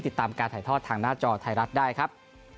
ติดตามการถ่ายทอดทางหน้าจอไทยรัฐได้ครับ